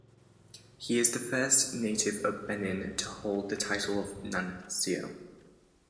He is the first native of Benin to hold the title of nuncio.